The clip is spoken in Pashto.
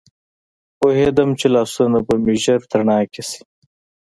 پوهېدم چې لاسونه به مې ژر تڼاکي شي.